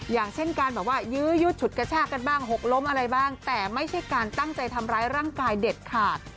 อย่างเช่นการแบบว่ายื้อยุดฉุดกระชากันบ้างหกล้มอะไรบ้างแต่ไม่ใช่การตั้งใจทำร้ายร่างกายเด็ดขาด